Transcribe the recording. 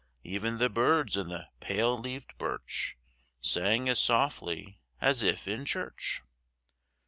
Even the birds in the pale leaved birch Sang as softly as if in church!